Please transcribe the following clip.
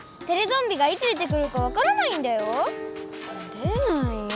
出ないよ。